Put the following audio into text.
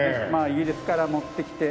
イギリスから持ってきて。